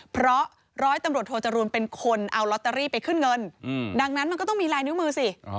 เพราะร้อยตำรวจโทจรูลเป็นคนเอาลอตเตอรี่ไปขึ้นเงินดังนั้นมันก็ต้องมีลายนิ้วมือสิ